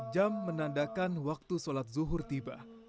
jam menandakan waktu sholat zuhur tiba